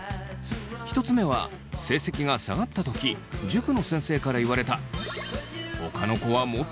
１つ目は成績が下がった時塾の先生から言われた出た。